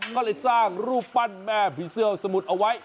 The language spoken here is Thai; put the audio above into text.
ก็เลยสร้างรูปปั้นแม่ผีเสื้อสมุทรเอาไว้